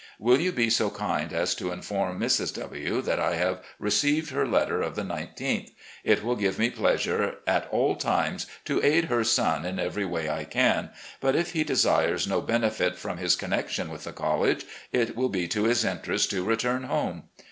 Will you be so kind as to inform Mrs. W. that I have received her letter of the 19th? It will give me pleastire at aU times to aid her son in every way I can, but if he desires no benefit from his connection with the college it will be to his interest to return home.